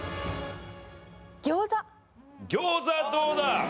餃子どうだ？